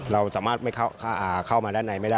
เราสามารถเข้ามาด้านในไม่ได้